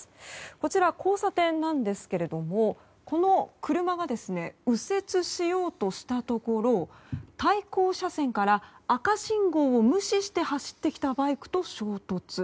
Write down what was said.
こちら交差点なんですがこの車が右折しようとしたところ対向車線から赤信号を無視して走ってきたバイクと衝突。